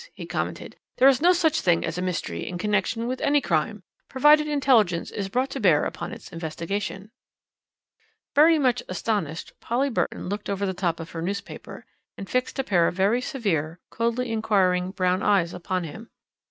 he commented. "There is no such thing as a mystery in connection with any crime, provided intelligence is brought to bear upon its investigation." Very much astonished Polly Burton looked over the top of her newspaper, and fixed a pair of very severe, coldly inquiring brown eyes upon him.